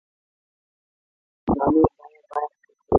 د غلو دانو بیه باید کنټرول شي.